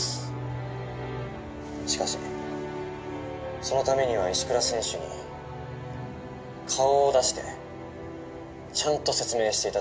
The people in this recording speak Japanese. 「しかしそのためには石倉選手に顔を出してちゃんと説明して頂きたいですね」